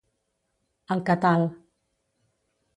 El catal